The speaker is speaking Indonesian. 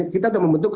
kita sudah membentuk